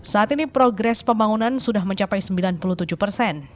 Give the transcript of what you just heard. saat ini progres pembangunan sudah mencapai sembilan puluh tujuh persen